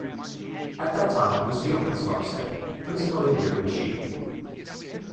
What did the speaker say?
At that time it was a yeoman's farmstead, principally rearing sheep.